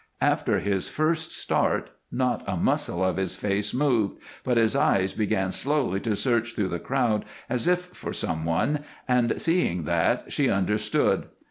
After his first start not a muscle of his face moved, but his eyes began slowly to search through the crowd as if for some one, and, seeing that, she understood.